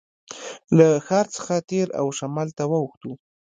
له ښار څخه تېر او شمال ته واوښتو.